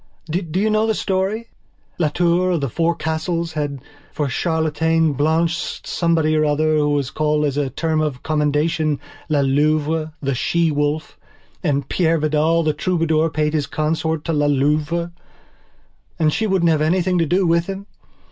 Do you know the story? Las Tours of the Four Castles had for chatelaine Blanche Somebody or other who was called as a term of commendation, La Louvethe She Wolf. And Peire Vidal the Troubadour paid his court to La Louve. And she wouldn't have anything to do with him.